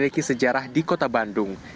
memiliki sejarah di kota bandung